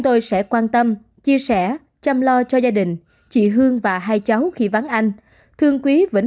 tôi sẽ quan tâm chia sẻ chăm lo cho gia đình chị hương và hai cháu khi vắng anh thương quý vĩnh